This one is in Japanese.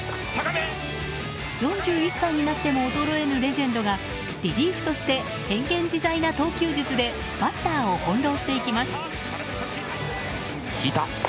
４１歳になっても衰えぬレジェンドがリリーフとして変幻自在な投球術でバッターを翻弄していきます。